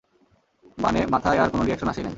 মানে, মাথায় আর কোন রিঅ্যাকশন আসেই নাই।